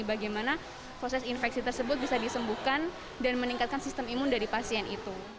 bagaimana proses infeksi tersebut bisa disembuhkan dan meningkatkan sistem imun dari pasien itu